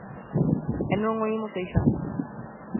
E non o imos deixar.